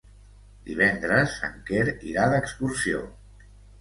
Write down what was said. Divendres en Quer irà d'excursió.